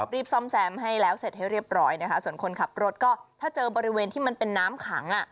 รีบซ่อมแซมให้แล้วเสร็จให้เรียบร้อยนะคะส่วนคนขับรถก็ถ้าเจอบริเวณที่มันเป็นน้ำขัง